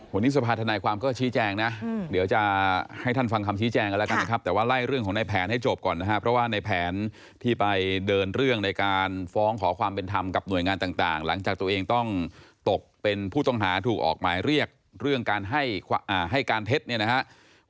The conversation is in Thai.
วันนี้สภาธนายความก็ชี้แจงนะเดี๋ยวจะให้ท่านฟังคำชี้แจงกันแล้วกันนะครับแต่ว่าไล่เรื่องของในแผนให้จบก่อนนะครับเพราะว่าในแผนที่ไปเดินเรื่องในการฟ้องขอความเป็นธรรมกับหน่วยงานต่างหลังจากตัวเองต้องตกเป็นผู้ต้องหาถูกออกหมายเรียกเรื่องการให้การเท็จเนี่ยนะครับ